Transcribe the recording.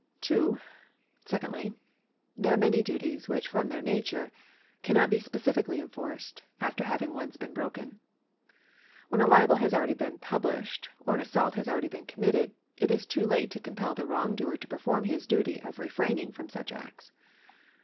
^ 2. Secondly, there are many duties which from their nature cannot be specifically enforced after having once been broken. When a libel has already been published, or an assault has already been committed, it is too late to compel the wrong doer to perform his duty of refraining from such acts.